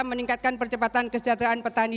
meningkatkan percepatan kesejahteraan petani